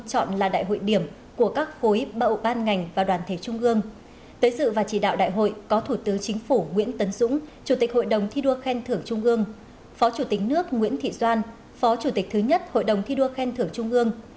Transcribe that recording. phó chủ tính nước nguyễn thị doan phó chủ tịch thứ nhất hội đồng thi đua khen thưởng trung ương